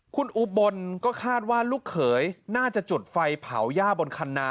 คุณอุบลก็คาดว่าลูกเขยน่าจะจุดไฟเผาย่าบนคันนา